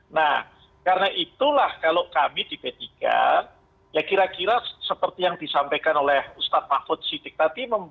nah karena itulah kalau kami di p tiga ya kira kira seperti yang disampaikan oleh ustadz mahfud siddiq tadi